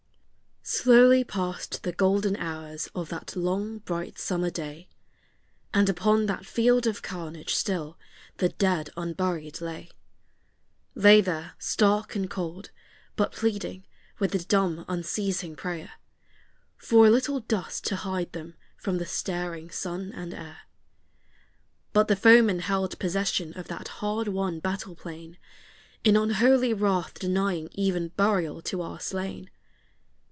Slowly passed the golden hours of that long bright summer day, And upon that field of carnage still the dead unburied lay. Lay there stark and cold, but pleading with a dumb, unceasing prayer, For a little dust to hide them from the staring sun and air. But the foeman held possession of that hard won battle plain, In unholy wrath denying even burial to our slain.